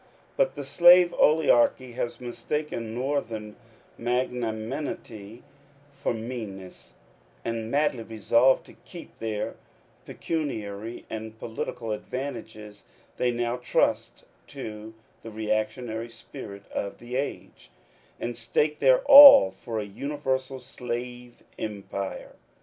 ]Dut the slave oligarchy has mistaken Northern magnanimity for meanness ; and, madly resolved to keep their pecuniary and political advantages, they now trust to the re actionary spirit of the age, and stake their all for a universal slave empire.